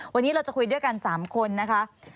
วันนี้เราจะคุยด้วยกัน๓คนนะคะ